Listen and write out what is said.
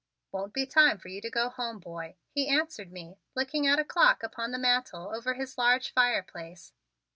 "Won't be time for you to go home, boy," he answered me, looking at a clock upon the mantel over his large fireplace.